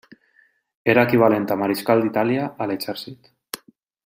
Era equivalent a Mariscal d'Itàlia a l'exèrcit.